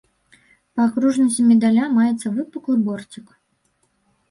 Па акружнасці медаля маецца выпуклы борцік.